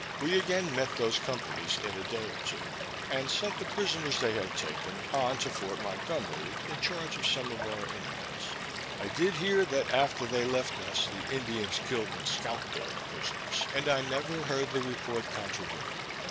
We again met those companies in a day or two, and sent the prisoners they had taken on to Fort Montgomery, in charge of some of our Indians. I did hear, that after they left us, the Indians killed and scalped all the prisoners, and I never heard the report contradicted.